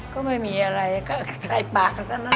ก็ไม่มีอะไรก็ใส่ปากซะนะ